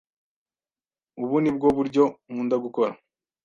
Ubu ni bwo buryo nkunda gukora.